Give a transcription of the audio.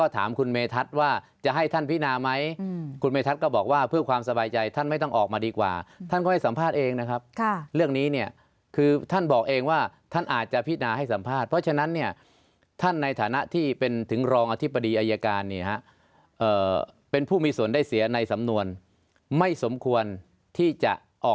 ถามคุณเมธัศนว่าจะให้ท่านพินาไหมคุณเมธัศนก็บอกว่าเพื่อความสบายใจท่านไม่ต้องออกมาดีกว่าท่านก็ให้สัมภาษณ์เองนะครับเรื่องนี้เนี่ยคือท่านบอกเองว่าท่านอาจจะพินาให้สัมภาษณ์เพราะฉะนั้นเนี่ยท่านในฐานะที่เป็นถึงรองอธิบดีอายการเนี่ยฮะเป็นผู้มีส่วนได้เสียในสำนวนไม่สมควรที่จะออก